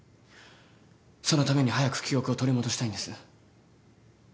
そのために早く記憶を取り戻したいんです。